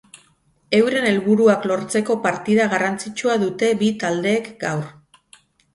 Euren helburuak lortzeko partida garrantzitsua dute bi taldeek gaur.